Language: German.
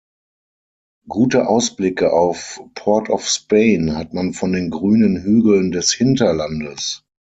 Gute Ausblicke auf Port of Spain hat man von den grünen Hügeln des Hinterlandes.